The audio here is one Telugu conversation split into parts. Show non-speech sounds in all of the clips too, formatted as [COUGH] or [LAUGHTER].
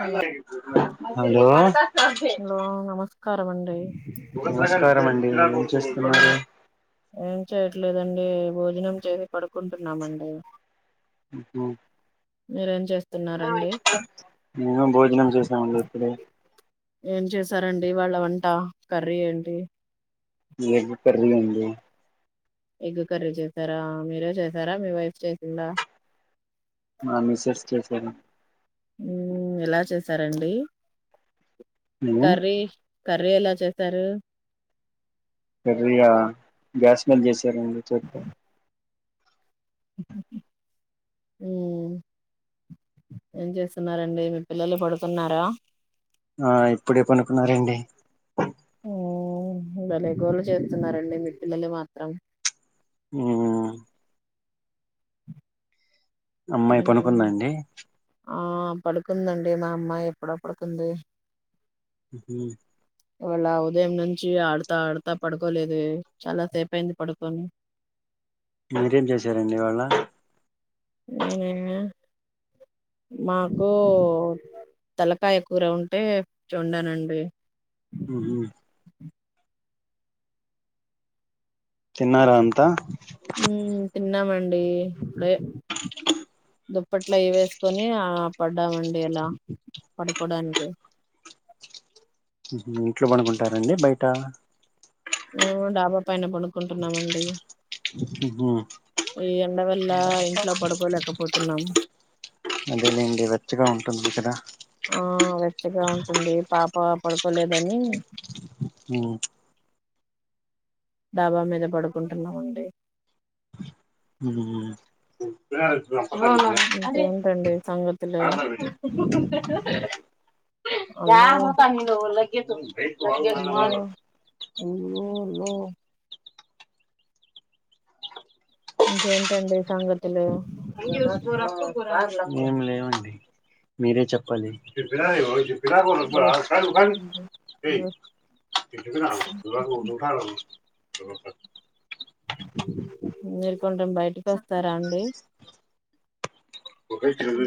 హలో హలో హలో నమస్కారమండి నమస్కారం అండి ఏం చేస్తున్నారు లేదండి భోజనం చేసి పడుకుంటున్నామండి హ మీరేం చేస్తున్నారండి మేము భోజనం చేసామండి ఇప్పుడే సరండి ఇవాళ వంట కర్రీ ఏంటి ఎగ్ కర్రీ అండి ఎగ్ కర్రీ చేసారా మీరే చేసారా మీ వైఫ్ చేసిందా మా మిసెస్ చేసరం మ్ ఎలా చేసారండి కర్రీ కర్రీ ఎలా చేస్తారు సరయా గ్యాస్మెల్ చేసారండి చస్త ఉ ఏం చేస్తున్నరండి. మీ పిల్లలు పడుతున్నారా. ఆ ఇప్పుడే పనుకున్నారండి. ఉ భలేగోళ చేస్తున్నారండి మీ పిల్లలు మాత్రం ఆ అమ్మాయి ఏంటండి పనుకుందండి ఆ పడుకుందండి మా అమ్మాయి ఎప్పుడ పడుతుంది. ఉ ఇవాళ ఉదయం నుంచి ఆడతా ఆడతా పడుకోలేదే. చాలా సేపు అయింది పడుకొని. మీరేం చేశారండి ఇవాళ్ళ ఏననా మాకు తలకాయ కూర ఉంటే వండనండి. హ తిన్నారా అంత ఉ తిన్నామండి ఇప్పుడే దుప్పట్లా ఇవేసుకొని ఆ పడ్డామండి అలా పడుకోడానికి ఇంట్లో పడుకుంటారండి బయట మేము డాబా పైన పండుకుంటున్నామండి. మ్మ్ ఈ ఎండవల్ల ఇంట్లో పడుకోలేకపోతున్నాం. అదేనండి ఇవ ఆ వెచ్చగా ఉంటుంది పాప పడుకోలేదని ఉ డాబా మీద పడుకుంటున్నామండి. మ్మ్ ఏం ఇంకేంటండి సంగతులు క పోతదాల ఎ అబ్బా అయ్యో లో ఇంకేంటండి సంగతులు ఏం లేవండి మీరే చెప్పాలి బో బో ంట ఉ మీరు కొంచెం బయటికి వస్తారా అండి.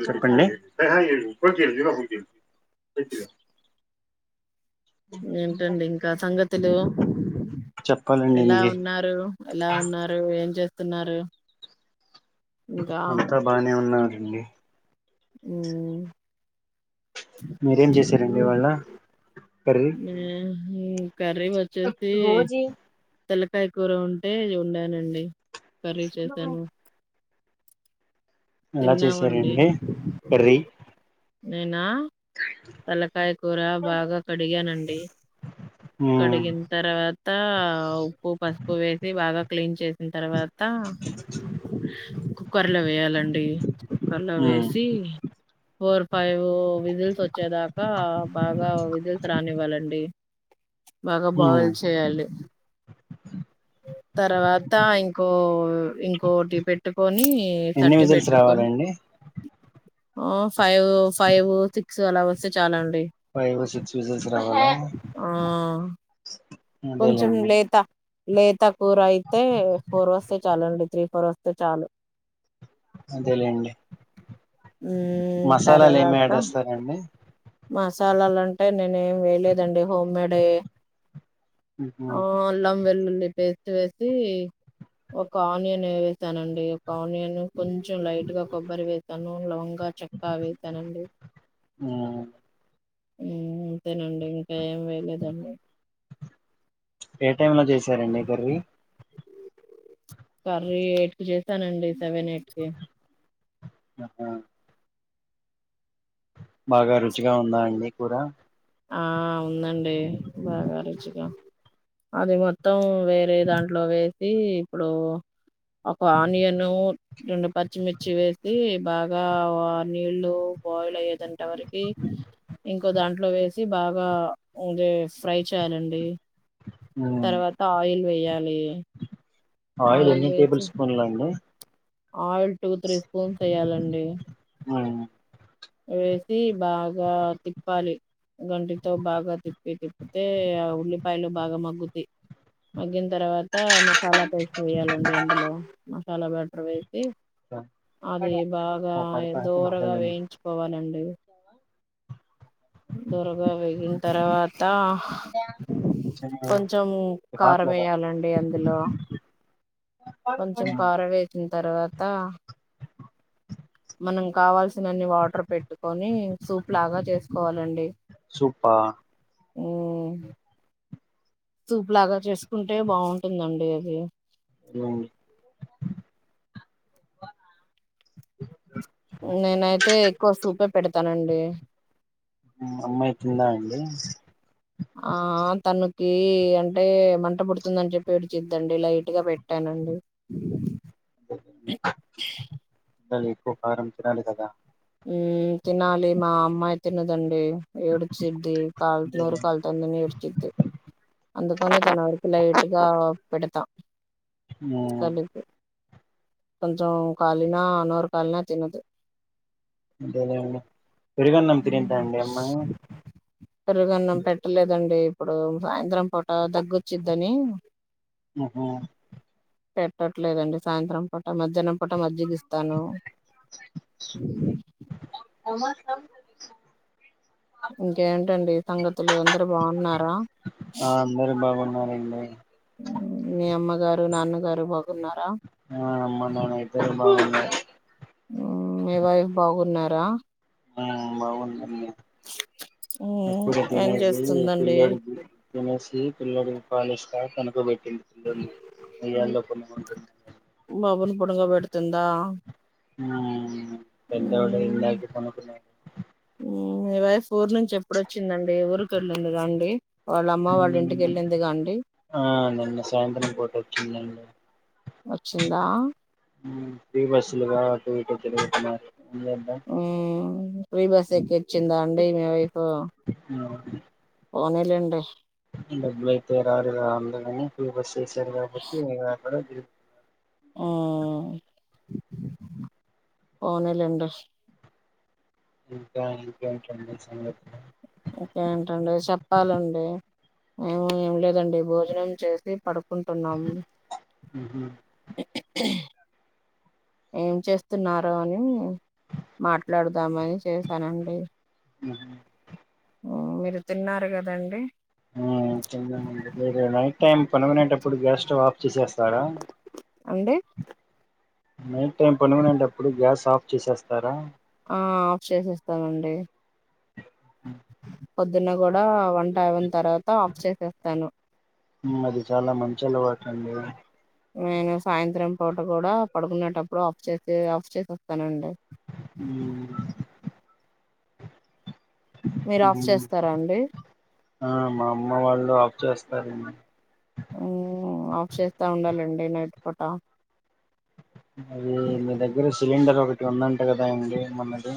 చెప్పండి పెటిగా ఏంటండి ఇంకా సంగతులు చెప్పాలండి ఎలా మీరే ఉన్నారు ఎలా ఉన్నారు ఏం చేస్తున్నారు. ఇంకా అంతా బానే ఉన్నారండి ఊమ్ మీరేం చేశారండి ఇవాళ కర్రీ ఆ కర్రీ వచ్చేసి భోజీ తెల్లకాయ కూర ఉంటే వండానండి. కర్రీ చేసాను. ఎలా తిన్నామండి చేసారండి కర్రీ? నేనా, తలకాయ కూర బాగా కడిగానండి. మ్మ్, కడిగిన్ తర్వాత ఉప్పు, పసుపు వేసి బాగా.. దాని తర్వాత కుక్కర్ లో వేయాలండి. కుక్కర్ లో మ్మ్, వేసి. ఫోర్ ఫైవ్ విజిల్స్ వచ్. వచ్చేదాకా బాగా, విజిల్స్ రానివ్వాలండి. బాగా మ్మ్. బాయిల్ చేయాలి. టూక్. తర్వాత ఇంకో ఇంకోటీ పెట్టుకొని, ఎన్ని థర్టీ విజిల్స్ పెట్టుకొని. రావాలండి ఆ, ఫైవ్ ఫైవ్ సిక్స్ అలా వస్తే చాలండి. డి. ఫైవ్ సిక్స్ విజిల్స్ రావాలా ఆ.. కొంచెం అదేలేండి లేత. లేతా కూరయితే ఫోర్ వస్తే చాలండి. త్రీ, ఫోర్ వస్తే చాలు. అదేలేండి, మ్మ్ మసాలాలు ఏమి యాడ్ జేస్తారండి? మసాలాలంటే నేనేం వేయలేదండి, హోమ్‌మేడ్. ఉ... హు.. వెల్లుల్లి పేస్ట్ వేసి. ఒక ఆనియన్ వేసానండి. ఒక ఆనియన్, కొంచెం లైట్‌గా కొబ్బరి వేసాను. నూనె లాగా. బా చెప్పావే తనంది. మ్మ్ ఉమ్, అంతేనండి. ఇంకా ఏం వేయలేదండి. ఏ టైమ్‌లో చేసారండి కర్రీ? కర్రీ ఎయిట్‌కి చేసానండి. సెవెన్ ఎయిట్‌కి. ఆహా. బాగా రుచిగా ఉందాండి కూర? ఆ, ఉందండి. బాగా రుచిగా అది మొత్తం. వేరే దాంట్లో వేసి ఇప్పుడు. ఒక ఆనియను రెండు పచ్చిమిర్చి వేసి బాగా ఆ నీళ్లు బాయిల్ అయ్యేటంత వరకి ఇంకో దాంట్లో వేసి చీ బాగా ఆ ఫ్రై చేయాలండి మ్మ్ తర్వాత ఆయిల్ వేయాలి. యాలీ ఆయిల్ ఎన్ని టేబుల్ స్పూన్లు అండి ఆయిల్ టూ త్రీ స్పూన్స్ ఎయ్యాలండి ఆ ఎసి బాగా తిప్పాలి గంటితో బాగా తిప్పి తిప్పితే ఆ ఉల్లిపాయలు బాగా మగ్గుతయి మగ్గిన్ తర్వాత మసాలా పేస్ట్ వేయాలండి అందులో మసాలా బ్యాటర్ వేస్ తేవ్ అది బాగా ఓ పడతా దోరగా వేయించుకోవాలండి. దోరగా వేగిన్ తర్వాత కొంచెం కారం హాట్లదా ఎయాలండి అందులో కొంచెం కారం వేసిన్ తర్వాత మనం కావాల్సినన్ని వాటర్ పెట్టుకొని సూప్ లాగా చేసుకోవాలండి. సూపా ఉమ్ సూప్ లాగా చేసుకుంటే బాగుంటుందండి అది వావ్ నేనైతే ఎక్కువ సూపే పెడతానండి. అమ్మాయి వచ్చిందా అండి. ఆ తనకి అంటే మంట పుడుతుందని చెప్పి ఏడిచిద్దండి లైట్ గా పెట్టాను. అండి. [UNINTELLIGIBLE] ఎక్కువ కారం తినాలి గదా. ఉమ్ తినాలి మా అమ్మాయి తినదండి. ఏడ్చిద్ది కాల్ నోరు కాల్ తుందని ఏడ్చిది. అందుకని తన వరకు లైట్ గా పెడతా, మ్మో కొంచం కాలిన నోరు కాలిన తినదు. అంతేలేండీ పెరుగన్నం, తినిద్దా అండి అమ్మాయి పెరుగన్నం పెట్టలేదండి ఇప్పుడు సాయంత్రం పూట దగ్గొచ్చిద్దని ఉమ్ హూ పెట్టట్లేదండి సాయంత్రం పూట మధ్యాహ్నం పూట మజ్జిగిస్తాను. [UNINTELLIGIBLE] ఇంకేంటండి సంగతులు, అందరు బాగున్నారా, అండి మీ అమ్మగారు నాన్నగారు బాగున్నారా? ఆ అమ్మ నాన్న ఇద్దరు బాగున్నారు. ఉమ్ మీ వైఫ్ బాగున్నారా? ఉమ్ బాగుందామ్మా ఉమ్, ఇప్పుడే ఏం తినేసి చేస్తుందండి పిల్లోడికి తినేసి పిల్లోడికి పాలు ఇస్తా, పడుకో బెట్టింది పిల్లోని ఉయ్యాల్లో బాబును పడుకో పెడుతుందా. ఉమ్ పెద్దోడు ఇందాకనే పడుకున్నాడు. మీ వైఫ్ ఊరు నుంచి ఎప్పుడొ చ్చిందండి ఊరికి వెళ్ళిందిగ అండి వాళ్ళ అమ్మ వాళ్ళ ఇంటికి వెళ్ళిందిగ అండి ఆ నిన్న సాయంత్రం పూట వచ్చిందండి. వచ్చిందా ఫ్రీ బస్సులుగా అటు, ఇటు తిరుగుతున్నారు. ఏం జేద్దాం. ఫ్రీ బస్ ఎక్కివచ్చిందా అండి మీ వైఫ్ చేద్దాం పోనీలేండి, డబ్బులు ఐతే రారుగా అందరూ అని ఫ్రీ బస్ యెసారు, గాబట్టి ఉమ్ పోనీలేండి. ఇంకా ఇంకేంటండి సంగతులు ఇంకా ఏంటండి చెప్పాలండి ఏం లేదండి, భోజనం చేసి పడు కుంటున్నాము, ఉహు ఏం చేస్తున్నారు, అని మాట్లాడుదామని చేసానండి, ఉమ్ హు ఉమ్ మీరు తిన్నారు గదండి, ఉమ్ తిన్నామండి. మీరు నైట్ టైం పనుకునేటప్పుడు గ్యాస్ స్టవ్ ఆఫ్ చేసే స్తారా, అండి నైట్ టైం పనుకునేటప్పుడు గ్యాస్ ఆఫ్ చేసేస్తారా ఆ ఆఫ్ చేసేస్తానండి. పొద్దున్న గూడా వంట అయినా తర్వాత ఆఫ్ చేసేస్తాను. మ్ అది చాలా మంచి అలవాటండి నేను సాయంత్రం పూట కూడా పడుకునేటప్పుడు ఆఫ్ చేసే ఆఫ్ చేసి వస్తానండి, ఉమ్ మీరు ఆఫ్ ఉమ్. చేస్తారా అండి ఆ మా అమ్మ వాళ్ళు ఆఫ్ చేస్తారండి ఊ ఆఫ్ చేస్తా ఉండాలండి నైట్ పూట అది మీ దగ్గర సిలిండర్ ఒకటి ఉందంట కదా అండి మొన్నది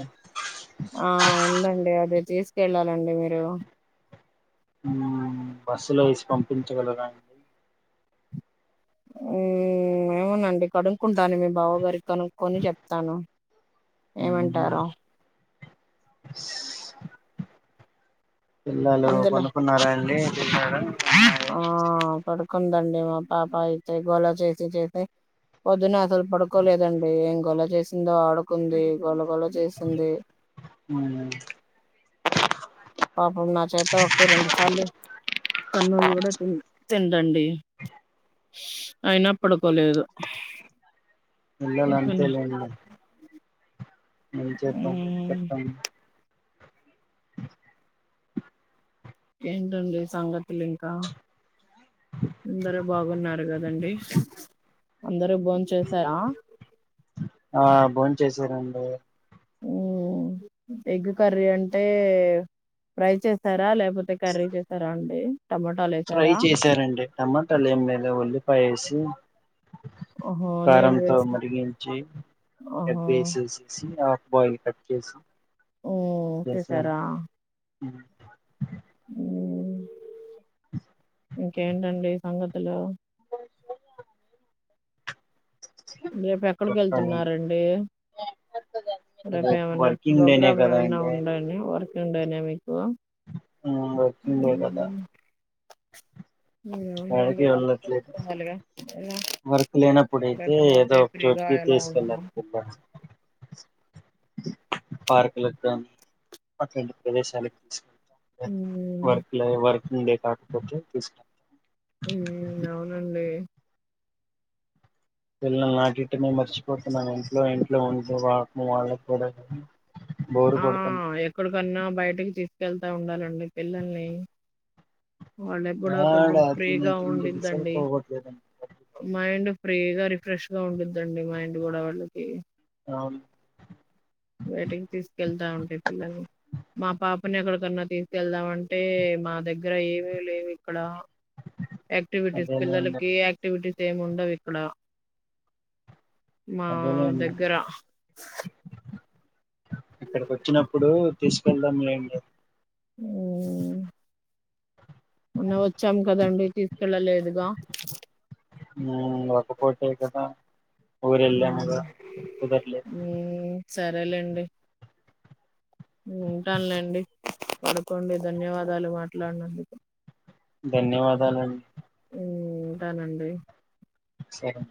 ఆ ఉందండి అది తీసుకెళ్ళాలండి మీరు ఊ బస్సులో ఏసి పంపించగలగా అండి ఉ ఏమొనండి కడుంక్కుంటానండి మీ బావగారిక్ కనుక్కొని చెప్తాను ఉమ్, ఏమంటారో పిల్లలు అందులో పనుక్కున్నారా అండి తిన్నారా మరి కుందండి మా పాప అయితే గోలా చేసి చేసి పొద్దున అసలు పడుకోలేదండి ఏం గొల చేసిందో ఆడుకుంది గోల గోల చేసింది పాపం నా చేత్తో ఒక్కటి రెండు సార్లు తన్నూళ్లు గుడా తిన్ తిందండి అయిన పడుకోలేదు పిల్లలు ఇంకని అంతలే ఇంగ ఏం చేద్దాం చెప్పండ్ ఏంటండి సంగ తులు ఇంకా అందరు బాగున్నారు గదా అండి అందరూ బోం చేసారా ఆ భోం చేసారండి ఊ ఎగ్గు కర్రీ అంటే ఫ్రై చేస్తారా లేకపోతే కర్రీ చేస్తారా అండి టమాటాలు ఫ్రై వేసారా చేశారండి టమాటాలు ఏమ్ లేదు ఉల్లిపాయ ఏసి ఓహో నేను కారంతో వేసి మరిగించి ఓహో ఎగ్గేసేసి ఆ బాయిల్ కట్ చేసి ఓ చేసారా ఉమ్ ఊ అ ఇంకేంటండి సంగతులు రేపు చెప్పాలండి ఎక్కడికెళ్తున్నారు అండి రేపు ఏమన్నా వర్కింగ్ డేనే ప్రోగ్రామ్ కదా ఏమన్నా అండి ఉండడి వర్కింగ్ డేనె మీ కు వర్కింగ్ డే కదా ఏ ముందుండి యాడికి వర్కు వెళ్ళట్లేదు వొత్తే మాలిగ ఎలా వర్క్ లేనప్పుడైతే ఏదో లేకపోతే ఒక ఫ్రీగా చోటుకి ఎలా ఉంటాం తీసుకెళ్ళాలి పిల్లల్ని పార్కులకు గానీ అట్లాంటి ప్రదేశాలకు ఉమ్, వర్కు లో వర్కింగ్ డే కాకపోతే తీసుకెల్తాం ఉ అవునండి పిల్లని నాకిటమె మర్చిపోతున్నాం ఇంట్లో ఇంట్లో ఉంటే వా వాళ్ళకి కూడా బోరు ఆ కొడుతుంది ఎక్కడికన్నా బయటికి తీస్ వెళ్తా ఉండాలండి పిల్లల్ని వాళ్ళకి కూడా యాడ కొంచెం తినే ఫ్రీగా తిండికి ఉంద్దండి సరిపోవట్లేదండి మైండ్ ఫ్రీగా రిఫ్రెష్ గా ఉండద్దండి మైండ్ కూడా వాళ్ళకి అవును బయటికి తీసుకెళ్తా ఉంటే పిల్లల్ని మా పాపని ఎక్కడకన్నా తీసుకెళ్దామ అంటే మా దగ్గర ఏమి లేవు ఇక్కడ యాక్టివిటీస్ అదేలేండి పిల్లలకి యాక్టివిటీస్ ఏమి ఉండవు ఇక్కడ మా అదేలేండి దగ్గర ఇక్కడికి వచ్చినప్పుడు తీసుకెళ్దాంలెండి మ్మ్ మొన్న వచ్చాం కదండి తీసుకెళ్ళలేదుగా ఉమ్ ఒక్క పుట్టే కదా మ్మ్ ఊరెళ్ళాముగా కుదరలేదు మ్మ్ సరేలేండి ఉంటానులేండి పడుకోండి ధన్యవాదాలు మాట్లాడినందుకు ధన్యవాదాలండి ఉంటానండి సరే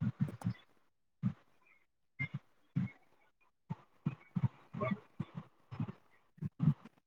[INAUDIBLE] [INAUDIBLE]